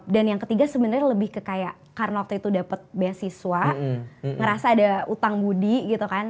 dan yang ketiga sebenernya lebih ke kayak karena waktu itu dapet beasiswa ngerasa ada utang budi gitu kan